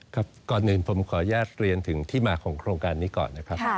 ก่อนอื่นผมขออนุญาตเรียนถึงที่มาของโครงการนี้ก่อนนะครับ